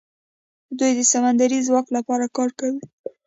دوی د سمندري ځواک لپاره کار کوي.